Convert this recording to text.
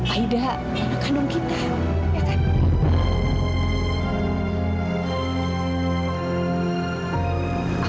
aida anak kandung kita ya kan